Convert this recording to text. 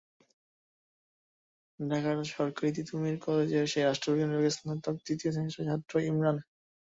ঢাকায় সরকারি তিতুমীর কলেজের রাষ্ট্রবিজ্ঞান বিভাগের স্নাতক তৃতীয় সেমিস্টারের ছাত্র ইমরান।